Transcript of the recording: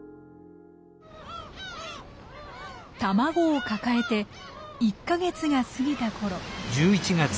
卵を抱えて１か月が過ぎたころ。